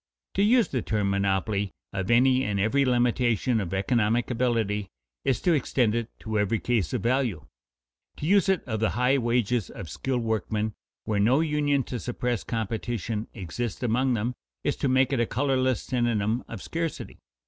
To use the term monopoly of any and every limitation of economic ability is to extend it to every case of value. To use it of the high wages of skilled workmen, where no union to suppress competition exists among them, is to make it a colorless synonym of scarcity.